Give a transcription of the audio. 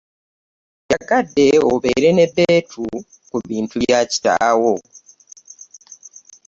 Njagadde obeere n'ebbeetu ku bintu bya kitaawo.